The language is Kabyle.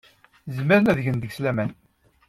Zemren ad gen deg-s laman.